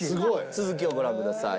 続きをご覧ください。